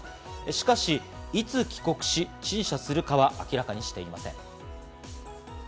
しかし、いつ帰国し陳謝するかは明らかにしていません。